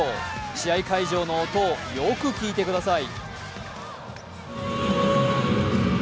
試合会場の音をよく聴いてください。